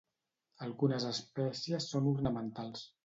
Algunes espècies són ornamentals.